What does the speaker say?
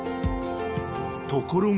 ［ところが］